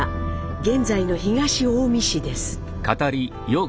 現在の東近江市です。